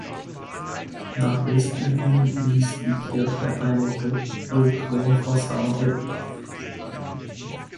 Nach Westen hin wies die Kirche eine Doppelturmfassade auf.